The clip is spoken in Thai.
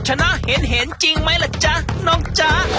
ชนะเห็นจริงไหมล่ะจ๊ะน้องจ๊ะ